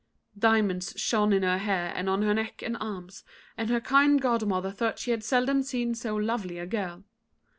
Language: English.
Diamonds shone in her hair and on her neck and arms, and her kind godmother thought she had seldom seen so lovely a girl.